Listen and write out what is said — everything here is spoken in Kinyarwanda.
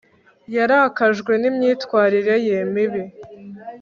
yarakajwe n'imyitwarire ye mibi